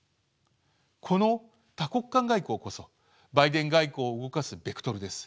この多国間外交こそバイデン外交を動かすベクトルです。